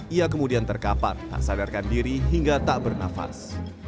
ia kemudian terkapar tak sadarkan diri hingga tak bernafas